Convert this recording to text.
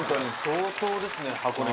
相当ですね箱根